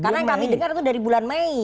karena yang kami dengar itu dari bulan mei